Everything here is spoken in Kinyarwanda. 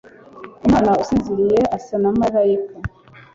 Umwana usinziriye asa na malayika.